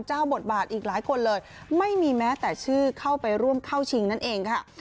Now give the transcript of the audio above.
บทบาทอีกหลายคนเลยไม่มีแม้แต่ชื่อเข้าไปร่วมเข้าชิงนั่นเองค่ะ